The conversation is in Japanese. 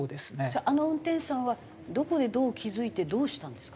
あの運転手さんはどこでどう気付いてどうしたんですか？